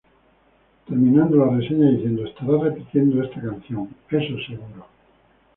Terminando la reseña diciendo "Estarás repitiendo esta canción, eso es seguro".